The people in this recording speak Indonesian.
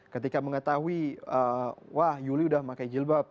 ketika mengetahui wah yuli udah pakai jilbab